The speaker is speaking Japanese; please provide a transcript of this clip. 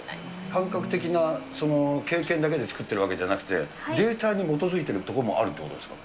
感覚的な経験だけで造ってるわけじゃなくて、データに基づいてにいるところもあるということですか。